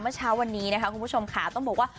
เมื่อเช้าคุณผู้ชมขาต้องบอกว่า